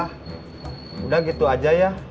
sudah gitu saja ya